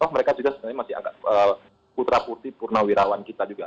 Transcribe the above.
mereka juga sebenarnya masih agak putra putih purnawirawan kita juga